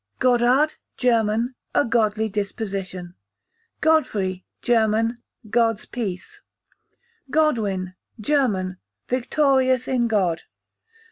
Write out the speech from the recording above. Godard, German, a godly disposition. Godfrey, German, God's peace. Godwin, German, victorious in God.